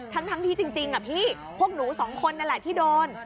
ทั้งที่จริงพี่พวกหนูสองคนนั่นแหละที่โดน